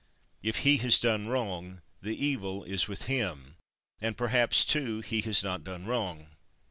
38. If he has done wrong, the evil is with him: and perhaps, too, he has not done wrong.